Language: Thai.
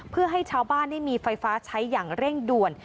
เพื่อให้ชาวบ้านได้มีไฟฟ้าใช้อย่างเร่งด่วน